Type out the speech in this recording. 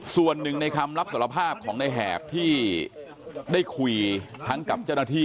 ส่วนหนึ่งในคำรับสารภาพของในแหบที่ได้คุยทั้งกับเจ้าหน้าที่